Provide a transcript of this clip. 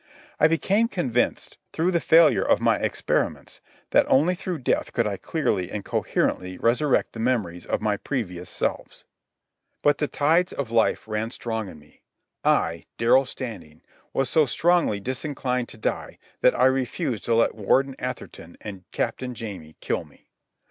I became convinced, through the failure of my experiments, that only through death could I clearly and coherently resurrect the memories of my previous selves. But the tides of life ran strong in me. I, Darrell Standing, was so strongly disinclined to die that I refused to let Warden Atherton and Captain Jamie kill me.